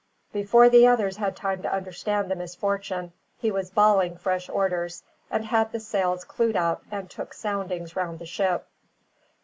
Before the others had time to understand the misfortune, he was bawling fresh orders, and had the sails clewed up, and took soundings round the ship.